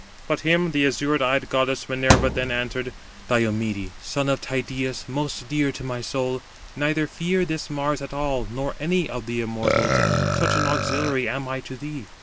But him the azure eyed goddess Minerva then answered: "Diomede, son of Tydeus, most dear to my soul, neither fear this Mars at all, nor any other of the immortals; such an auxiliary am I to thee.